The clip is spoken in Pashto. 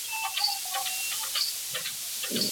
دښمني بې زیانه نه وي.